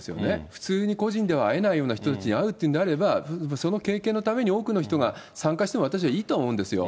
普通に個人では会えないような人たちに会うっていうんであれば、その経験のために多くの人が参加しても私はいいと思うんですよ。